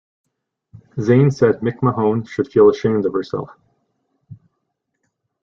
Zayn said McMahon should feel ashamed of herself.